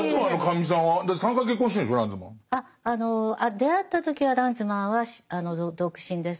あっあの出会った時はランズマンは独身です。